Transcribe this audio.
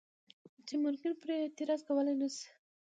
چې منکر پرې اعتراض کولی نه شي.